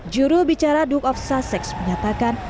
juru bicara duke of sussex menyatakan